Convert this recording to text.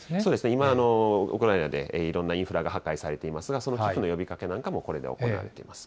今、ウクライナでいろんなインフラが破壊されている、その寄付の呼びかけなんかも、これで行われています。